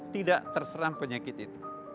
tidak terseram penyakit itu